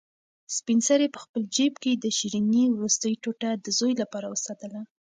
سپین سرې په خپل جېب کې د شیرني وروستۍ ټوټه د زوی لپاره وساتله.